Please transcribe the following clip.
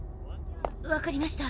わかりました。